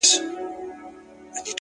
• ښکاري وویل زه تا حلالومه ,